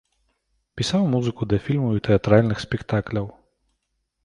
Пісаў музыку да фільмаў і тэатральных спектакляў.